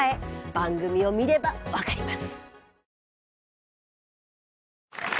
番組を見れば分かります。